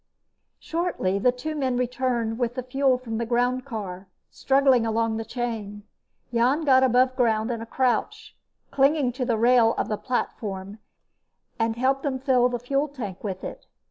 Shortly the two men returned with the fuel from the groundcar, struggling along the chain. Jan got above ground in a crouch, clinging to the rail of the platform, and helped them fill the fuel tank with it.